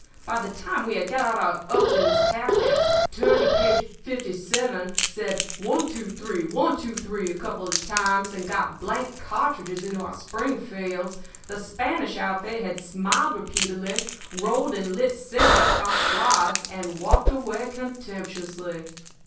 "By the time we had got out our 'Upton's Tactics,' turned to page fifty seven, said 'one two three one two three' a couple of times, and got blank cartridges into our Springfields, the Spanish outfit had smiled repeatedly, rolled and lit cigarettes by squads, and walked away contemptuously.